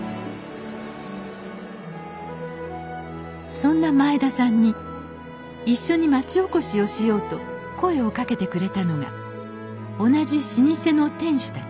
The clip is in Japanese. そんな前田さんに一緒に町おこしをしようと声をかけてくれたのが同じ老舗の店主たち。